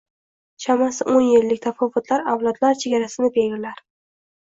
Chamasi, o‘n yillik tafovutlar avlodlar chegarasini belgilar